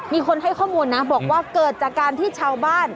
มีคนให้ข้อมูลนะบอกว่าเกิดจากการที่ชาวบ้าน